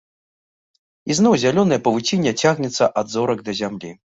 І зноў зялёнае павуцінне цягнецца ад зорак да зямлі.